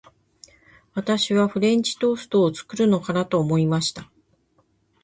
私はフレンチトーストを作るのかなと思いました。